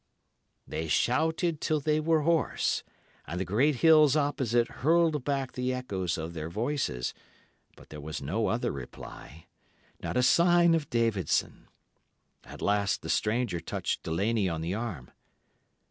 "They shouted till they were hoarse, and the great hills opposite hurled back the echoes of their voices, but there was no other reply. Not a sign of Davidson. At last the stranger touched Delaney on the arm.